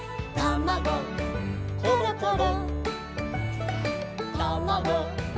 「たまごころころ」